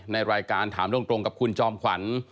ในรายการถามตรงกับคุณจอมขวัญ